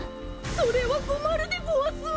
それはこまるでごわす！